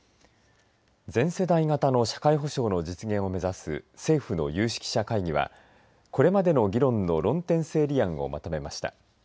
全世代型の社会保障の実現を目指す政府の有識者会議はこれまでの議論の論点整理案をまとめました。